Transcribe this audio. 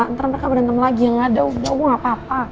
ntar mereka berantem lagi yang ada udah gue gak apa apa